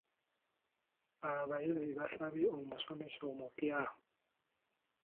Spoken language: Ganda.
Abayizi baasabye omusomesa omupya.